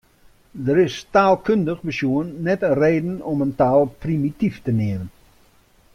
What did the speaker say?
Der is taalkundich besjoen net in reden om in taal primityf te neamen.